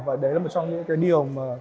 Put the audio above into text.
và đấy là một trong những điều